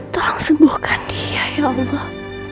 tolong sembuhkan dia ya allah